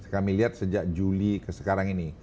kami lihat sejak juli ke sekarang ini